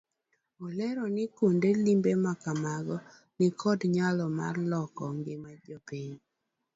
Olero ni kuonde limbe makamago nikod nyalo mar loko ngima jopiny.